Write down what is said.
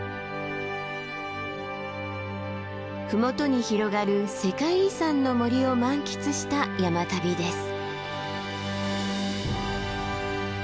麓に広がる世界遺産の森を満喫した山旅です。